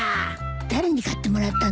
誰に買ってもらったの？